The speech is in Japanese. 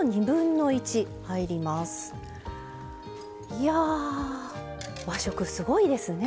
いや和食すごいですね。